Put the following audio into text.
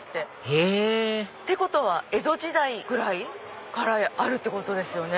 へぇってことは江戸時代ぐらいからあるってことですよね。